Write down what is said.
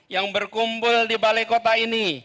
yang berkumpul di balai kota ini